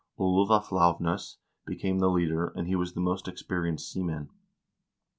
1 Ulv af Lauvnes became the leader, as he was the most experienced seaman.